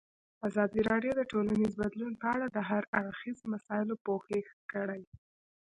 ازادي راډیو د ټولنیز بدلون په اړه د هر اړخیزو مسایلو پوښښ کړی.